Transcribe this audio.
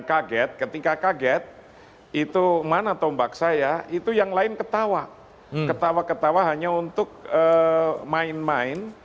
kaget ketika kaget itu mana tombak saya itu yang lain ketawa ketawa ketawa hanya untuk main main